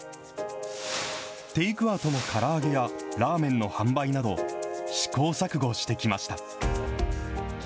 テイクアウトのから揚げやラーメンの販売など、試行錯誤してきました。